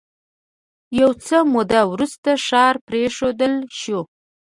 یو څه موده وروسته ښار پرېښودل شو